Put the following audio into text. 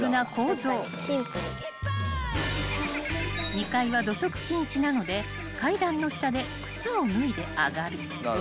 ［２階は土足禁止なので階段の下で靴を脱いで上がる］